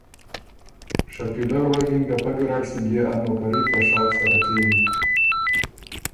شکیلۀ ل غوېکِن که پۀ ګیرډ سُو بيې ا نوکري په شوق سره کېوی